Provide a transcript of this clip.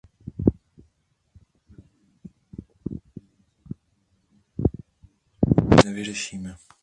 Pravda však je, že zásadní problémy těmito způsoby nevyřešíme.